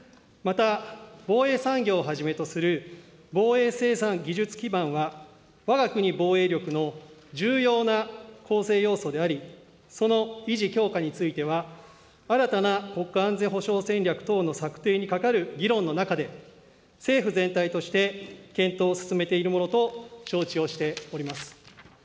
また、防衛産業をはじめとする防衛生産技術基盤は、わが国防衛力の重要な構成要素であり、その維持、強化については、新たな国家安全保障戦略等の策定にかかる議論の中で、政府全体として検討を進めているものと承知をしております。